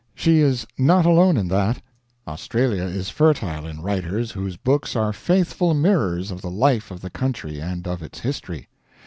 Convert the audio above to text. She is not alone in that. Australia is fertile in writers whose books are faithful mirrors of the life of the country and of its history.